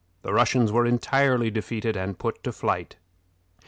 The Russians were entirely defeated and put to flight.